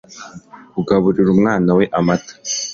kugaburira umwana we amata